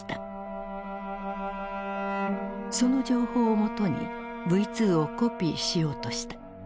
その情報をもとにＶ２をコピーしようとした。